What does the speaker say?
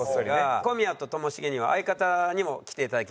小宮とともしげには相方にも来ていただきまして。